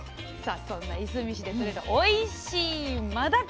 そんないすみ市でとれたおいしいマダコ。